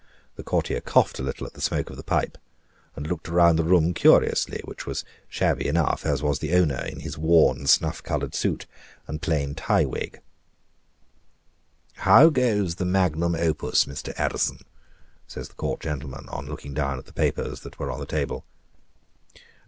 The courtier coughed a little at the smoke of the pipe, and looked round the room curiously, which was shabby enough, as was the owner in his worn, snuff colored suit and plain tie wig. "How goes on the magnum opus, Mr. Addison?" says the Court gentleman on looking down at the papers that were on the table.